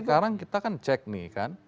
sekarang kita kan cek nih kan